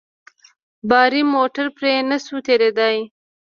باري موټر پرې نه سو تېرېداى.